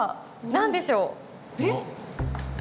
何でしょう？